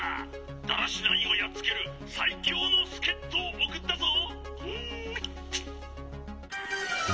ダラシナインをやっつけるさいきょうのすけっとをおくったぞ」。